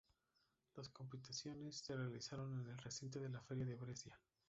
Las competiciones se realizaron en el recinto de la Feria de Brescia.